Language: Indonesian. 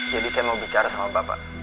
jadi saya mau bicara sama bapak